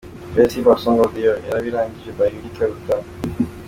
Best Hip Hop song of the year: Yarabirangije by Willy Karuta.